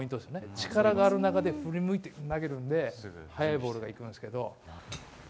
力がある中で振り向いて投げるので速いボールがいくんですけど。